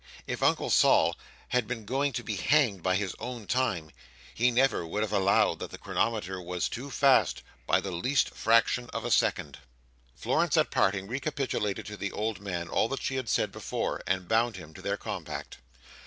If Uncle Sol had been going to be hanged by his own time, he never would have allowed that the chronometer was too fast, by the least fraction of a second. Florence at parting recapitulated to the old man all that she had said before, and bound him to their compact.